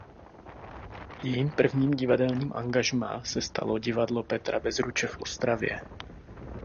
Jejím prvním divadelním angažmá se stalo Divadlo Petra Bezruče v Ostravě.